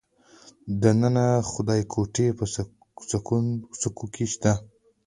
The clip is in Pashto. د ننه خدایګوټې په سکو کې شته